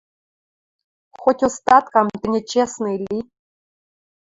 Хоть остаткам тӹньӹ честный ли».